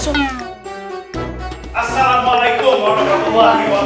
assalamualaikum warahmatullahi wabarakatuh